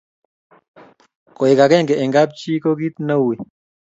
koek akenge eng kap chi ko kit ne ui